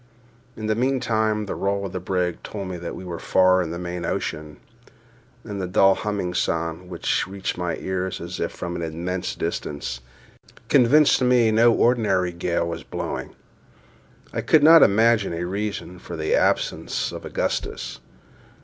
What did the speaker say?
In the meantime the roll of the brig told me that we were far in the main ocean, and a dull humming sound, which reached my ears as if from an immense distance, convinced me no ordinary gale was blowing. I could not imagine a reason for the absence of Augustus.